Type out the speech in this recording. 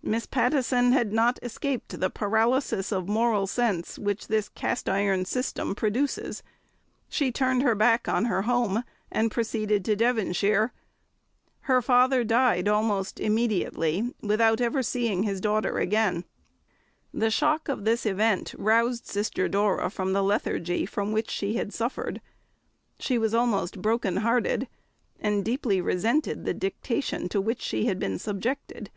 Miss Pattison had not escaped the paralysis of moral sense which this cast iron system produces; she turned her back on her home and proceeded to Devonshire. Her father died almost immediately, without ever seeing his daughter again. The shock of this event roused Sister Dora from the lethargy from which she had suffered. She was almost broken hearted, and deeply resented the dictation to which she had been subjected.